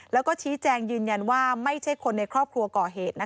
แล้วก็ชี้แจงยืนยันว่าไม่ใช่คนในครอบครัวก่อเหตุ